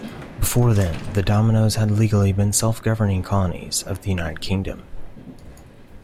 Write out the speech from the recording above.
Before then, the Dominions had legally been self-governing colonies of the United Kingdom.